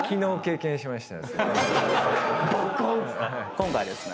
今回はですね